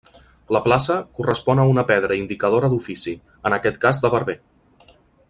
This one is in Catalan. La plaça correspon a una pedra indicadora d'ofici, en aquest cas de barber.